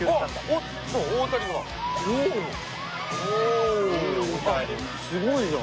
あっすごいじゃん。